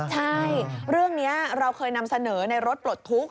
ใช่เรื่องนี้เราเคยนำเสนอในรถปลดทุกข